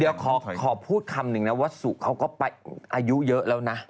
เดี๋ยวขอพูดคำหนึ่งนะว่าสุเขาก็อายุเยอะแล้วนะ